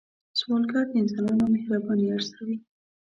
سوالګر د انسانانو مهرباني ارزوي